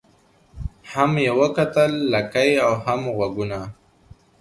هم یې وکتل لکۍ او هم غوږونه